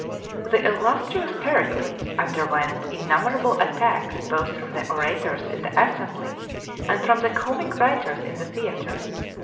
The illustrious Pericles underwent innumerable attacks both from the orators in the assembly and from the comic writers in the theatre.